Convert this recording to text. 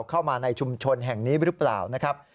เข้ามาในชุมชนแห่งนี้หรือเปล่านะครับ